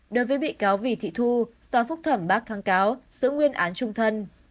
đối với bị cáo vì thị thu tòa phúc thẩm bác kháng cáo giữ nguyên án trung thân